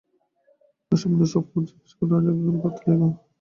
ঐ সম্বন্ধে সব খবর জিজ্ঞাসা করে রাজাকে একখানা পত্র লিখো।